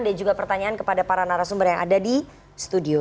dan juga pertanyaan kepada para narasumber yang ada di studio